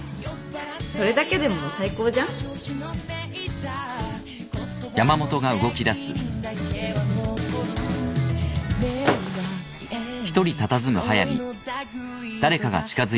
それだけでもう最高じゃんえっ？